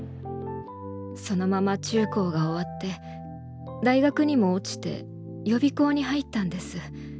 そのまま中高が終わって大学にも落ちて予備校に入ったんです。